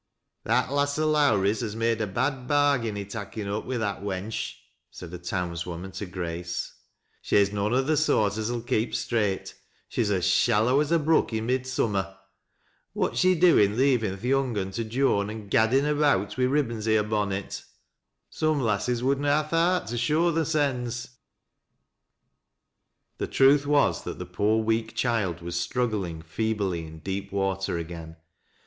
"That lass o' Lowrie's has made a bad bargain, i' takin' up wi' that wench," said a townswoman to Grace. " She'e noan one o' th' soart as '11 keep straight. She's as shallow as a brook i' midsummer. What's she doin' leavin' th' young un to Joan, and gaddin' about wi' ribbons i' hei bonnet ? Some lasses would na ha' th' heart to show theirseus." The truth was that the poor weak child was struggling feebly in deep water again.